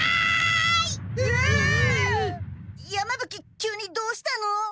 急にどうしたの？